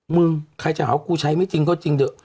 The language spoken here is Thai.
มึงใครจะหาว่ากูใช้ไม่จริงก็จริงเถอะ